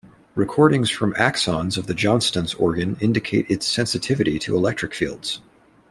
Recordings from axons of the Johnston's organ indicate its sensitivity to electric fields.